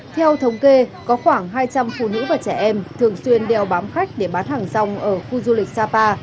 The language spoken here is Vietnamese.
theo thống kê có khoảng hai trăm linh phụ nữ và trẻ em thường xuyên đeo bám khách để bán hàng rong ở khu du lịch sapa